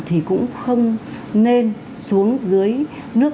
thì cũng không nên xuống dưới nước